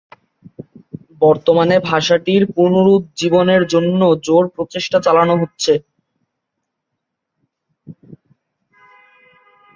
বর্তমানে ভাষাটির পুনরুজ্জীবনের জন্য জোর প্রচেষ্টা চালানো হচ্ছে।